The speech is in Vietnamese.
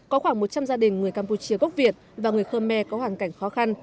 có khoảng một trăm linh gia đình người campuchia gốc việt và người khơ me có hoàn cảnh khó khăn